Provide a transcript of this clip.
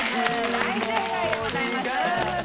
大正解でございます。